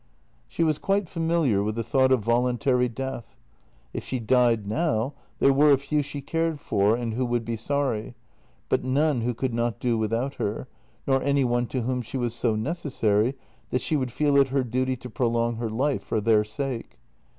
She was quite familiar with the thought of voluntary death. If she died now there were a few she cared for and who would be sorry, but none who could not do without her, nor any one to whom she was so necessary that she would feel it her duty to prolong her life for their sake.